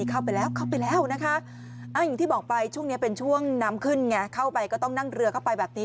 เข้าไปแล้วอย่างที่บอกไปช่วงนี้เป็นช่วงน้ำขึ้นเข้าไปก็ต้องนั่งเรือเข้าไปแบบนี้